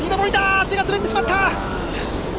足が滑ってしまった！